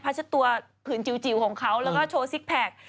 พื้นจิวของเขาแล้วก็โชว์ซิกแพค